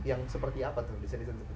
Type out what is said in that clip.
yang seperti apa tuh desain desain seperti itu